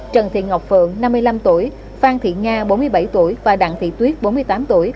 trần thị ngọc phượng năm mươi năm tuổi phan thị nga bốn mươi bảy tuổi và đặng thị tuyết bốn mươi tám tuổi